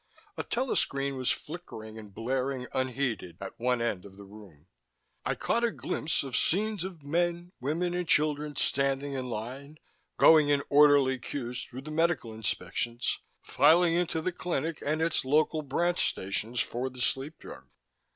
A telescreen was flickering and blaring unheeded at one end of the room. I caught a glimpse of scenes of men, women and children standing in line, going in orderly queues through the medical inspections, filing into the clinic and its local branch stations for the sleep drug.